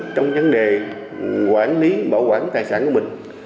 trong vấn đề quản lý bảo quản tài sản của mình